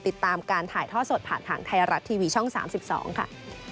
ติดตามการถ่ายท่อสดผ่านทางไทยรัฐทีวีช่อง๓๒ค่ะ